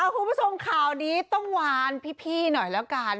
คุณผู้ชมข่าวนี้ต้องวานพี่หน่อยแล้วกัน